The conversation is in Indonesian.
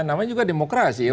namanya juga demokrasi ya